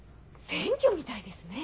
選挙みたいですね。